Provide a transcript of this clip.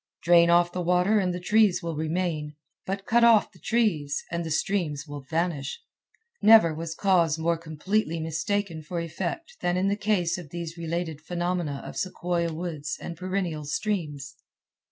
Drain off the water and the trees will remain, but cut off the trees, and the streams will vanish. Never was cause more completely mistaken for effect than in the case of these related phenomena of sequoia woods and perennial streams.